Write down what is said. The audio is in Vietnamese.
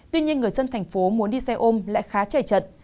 tuy nhiên người dân tp hcm muốn đi xe ôm lại khá chạy chật